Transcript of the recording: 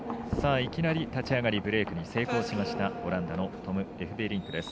いきなり立ち上がりブレークに成功しましたオランダのトム・エフベリンクです。